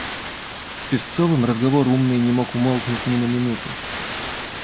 С Песцовым разговор умный не мог умолкнуть ни на минуту.